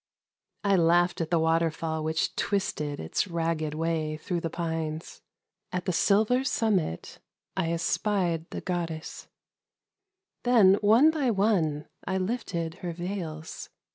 1 laughed at the water tall which twisted it : way through the pines : at the silver summit 1 espied the Then one by one I lifted her \eils.